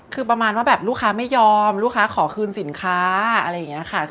คือประมาณว่าแบบลูกค้าไม่ยอมลูกค้าขอคืนสินค้าอะไรอย่างนี้ค่ะ